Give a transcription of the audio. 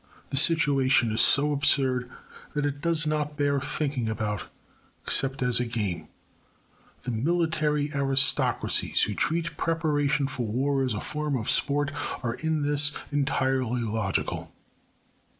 The situation is so absurd that it does not bear thinking about except as a game: the military aristocracies who treat preparation for war as a form of sport are in this entirely logical.